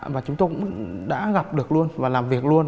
và chúng tôi cũng đã gặp được luôn và làm việc luôn